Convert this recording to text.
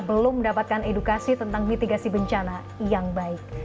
belum mendapatkan edukasi tentang mitigasi bencana yang baik